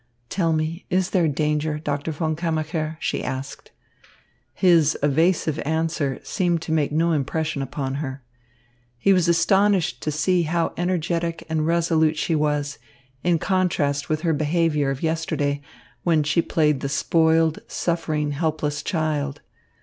"Tell me, is there danger, Doctor von Kammacher?" she asked. His evasive answer seemed to make no impression upon her. He was astonished to see how energetic and resolute she was, in contrast with her behaviour of yesterday, when she played the spoiled, suffering, helpless child.